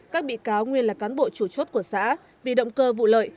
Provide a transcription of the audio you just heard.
các bị cáo nguyên là cán bộ chủ chốt của xã vì động cơ vụ lợi